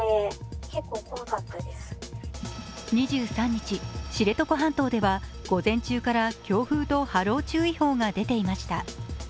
２３日、知床半島では午前中から強風と波浪注意報が出ていました。